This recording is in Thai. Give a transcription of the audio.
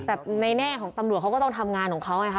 แต่ในแน่ของตำรวจเขาก็ต้องทำงานของเขาไงคะ